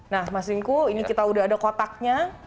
nah mas rinku ini kita sudah ada kotaknya